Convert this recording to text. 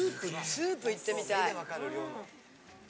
スープいってみたい。